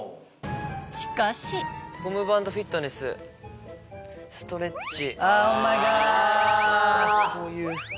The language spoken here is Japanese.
しかしゴムバンドフィットネスストレッチ。